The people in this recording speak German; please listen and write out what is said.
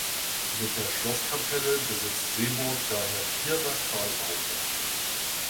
Mit der Schlosskapelle besitzt Seeburg daher vier Sakralbauten.